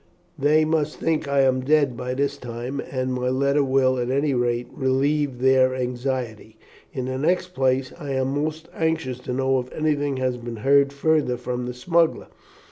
They must think that I am dead by this time, and my letter will, at any rate, relieve their anxiety. In the next place, I am most anxious to know if anything has been heard further from the smuggler.